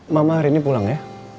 mama hari ini pulang ya